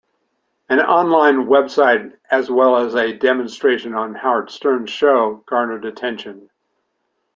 An online website as well as a demonstration on Howard Stern's show garnered attention.